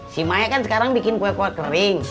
si maya kan sekarang bikin kue kue kering